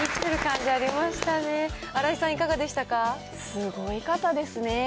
すごい方ですね。